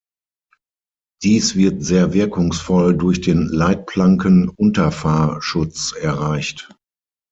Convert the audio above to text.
Dies wird sehr wirkungsvoll durch den Leitplanken-Unterfahrschutz erreicht.